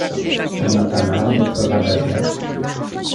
T’en as pas marre d’être rabat-joie ?